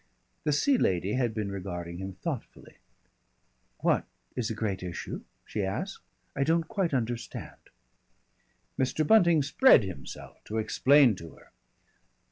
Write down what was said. The Sea Lady had been regarding him thoughtfully. "What is a great issue?" she asked. "I don't quite understand." Mr. Bunting spread himself to explain to her.